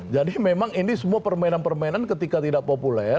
jadi memang ini semua permainan permainan ketika tidak populer